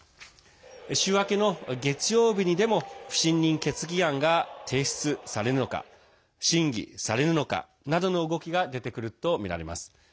週明けの月曜日にでも不信任決議案が提出されるのか審議されるのかなどの動きが出てくるとみられます。